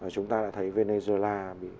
chúng ta đã thấy venezuela